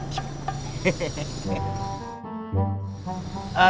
rumah pak muhyiddin dimana